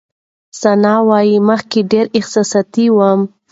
ثانیه وايي، مخکې ډېره احساساتي وم.